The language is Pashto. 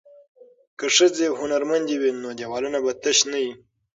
که ښځې هنرمندې وي نو دیوالونه به تش نه وي.